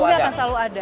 pembeli akan selalu ada